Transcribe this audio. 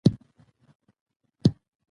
جلګه د افغانستان د صادراتو برخه ده.